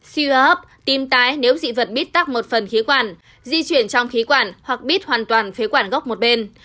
suy hớp tim tái nếu dị vật bít tắc một phần khí quản di chuyển trong khí quản hoặc bít hoàn toàn phế quản gốc một bên